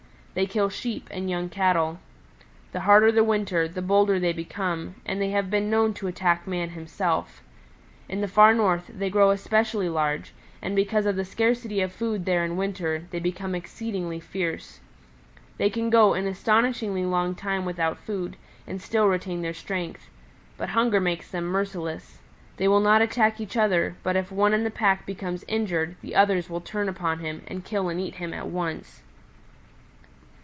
They kill Sheep and young Cattle. The harder the winter the bolder they become, and they have been known to attack man himself. In the Far North they grow especially large, and because of the scarcity of food there in winter, they become exceedingly fierce. They can go an astonishingly long time without food and still retain their strength. But hunger makes them merciless. They will not attack each other, but if one in the pack becomes injured, the others will turn upon him, and kill and eat him at once.